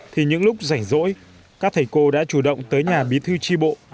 thì những lúc rảnh rỗi các thầy cô đã chủ động tới nhà bí thư tri bộ